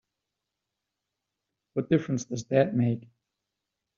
What difference does that make?